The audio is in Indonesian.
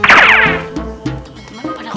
teman teman pada mana